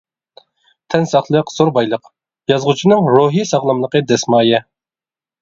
تەن ساقلىق زور بايلىق، يازغۇچىنىڭ روھىي ساغلاملىقى دەسمايە.